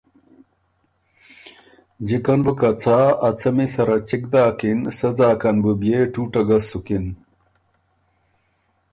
جِکن بُوکه څا ا څمی سَرَه چِګ داکن، سۀ ځاکن بُو بيې ټُوټه ګۀ سُکِن۔